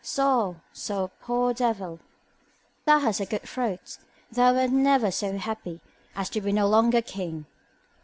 So, so poor devil, thou hast a good throat; thou wert never so happy as to be no longer king.